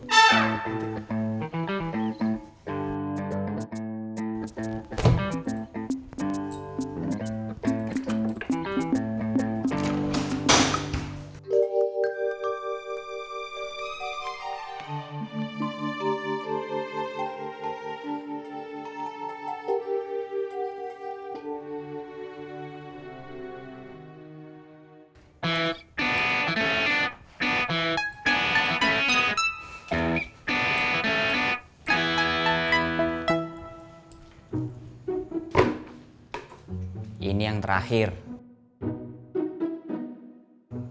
gantiin nama yang baru